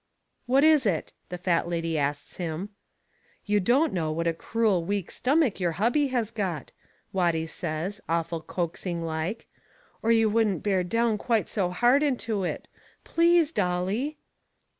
"What is it?" the fat lady asts him. "You don't know what a cruel, weak stomach your hubby has got," Watty says, awful coaxing like, "or you wouldn't bear down quite so hard onto it please, Dolly!"